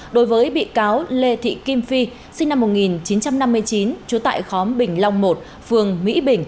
đối với bị cáo lê thị kim phi sinh năm một nghìn chín trăm năm mươi chín trú tại khóm bình long một phường mỹ bình